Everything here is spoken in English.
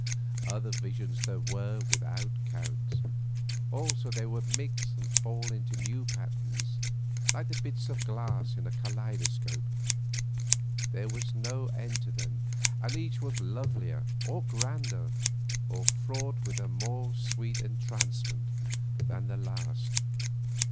Other visions there were without count. Also they would mix and fall into new patterns, like the bits of glass in a kaleidoscope. There was no end to them, and each was lovelier, or grander, or fraught with a more sweet entrancement, than the last.